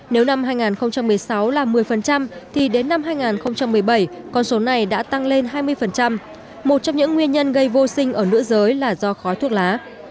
nếu năm hai nghìn một mươi sáu là một mươi thì đến năm hai nghìn một mươi bảy con số này đã tăng lên hai mươi một trong những nguyên nhân gây vô sinh ở nữ giới là do khói thuốc lá